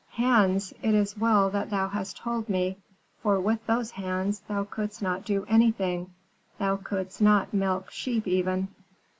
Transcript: "'Hands? It is well that thou hast told me, for with those hands thou couldst not do anything; thou couldst not milk sheep even.'